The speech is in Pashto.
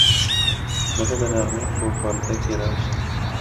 نو ته د نغمې په پرده کې راشه.